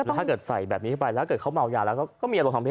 ถ้าเกิดใส่แบบนี้เข้าไปแล้วเกิดเขาเมายาแล้วก็มีอารมณ์ทางเพศ